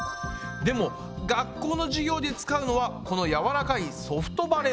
でも学校の授業で使うのはこのやわらかいうん。